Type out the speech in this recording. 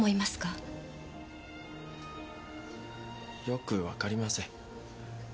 よくわかりません。